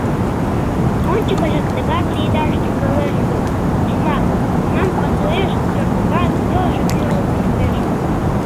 Ончыкыжат тыгак лиедаш тӱҥалеш гын, чынак, мемнан пасуэш чортынат йолжо кӱрлын кертеш.